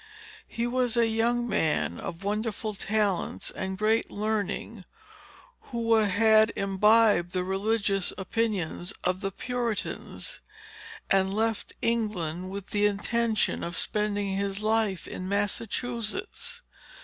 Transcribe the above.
He was a young man of wonderful talents and great learning, who had imbibed the religious opinions of the Puritans, and left England with the intention of spending his life in Massachusetts.